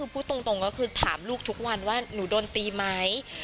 พูดตรงก็คือถามลูกทุกวันว่าหนูโดนตีไหม